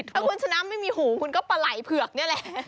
ถ้าคุณชนะไม่มีหูคุณก็ปลาไหล่เผือกนี่แหละ